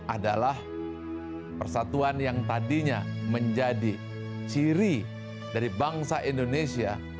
adalah persatuan yang tadinya menjadi ciri dari bangsa indonesia